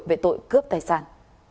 về tội cướp tài sản